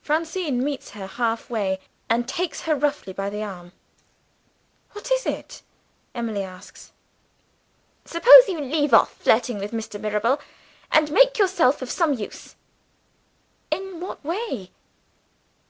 Francine meets her half way, and takes her roughly by the arm. "What is it?" Emily asks. "Suppose you leave off flirting with Mr. Mirabel, and make yourself of some use." "In what way?"